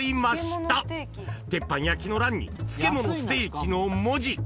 ［「鉄板焼き」の欄に「漬け物ステーキ」の文字］